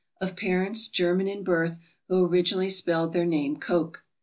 of parents, German in birth, who originally spelled their name Koch.